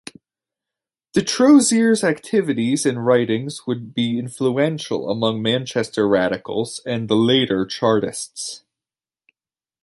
Detrosier's activities and writings would be influential amongst Manchester Radicals and the later Chartists.